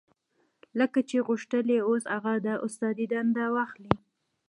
لکه چې غوښتل يې اوس هغه د استادۍ دنده واخلي.